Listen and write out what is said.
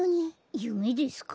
ゆめですか？